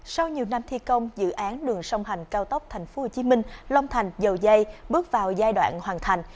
sau nhiều năm thi công dự án đường sông hành cao tốc tp hcm long thành dầu dây bước vào giai đoạn hoàn thành